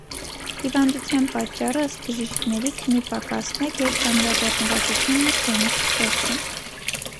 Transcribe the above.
Հիվանդության պատճառը, ըստ բժիշկների, քնի պակասն է, գերծանրաբեռնվածությունն ու քրոնիկ սթրեսը։